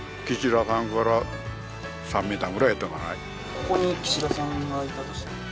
ここに岸田さんがいたとしたら。